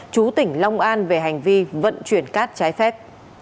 chú tỉnh long an về hành vi vận chuyển cát trái phép